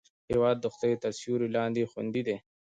هېواد د خدای تر سیوري لاندې خوندي دی.